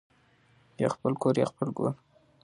ـ يا خپل کور يا خپل ګور.